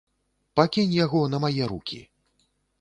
Пакінь яго на мае рукі.